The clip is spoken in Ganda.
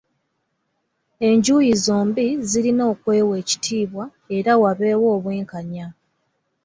Enjuyi zombi zirina okwewa ekitiibwa era wabeewo obwenkanya.